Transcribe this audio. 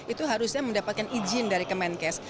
itu harusnya mendapatkan izin dari kemenkes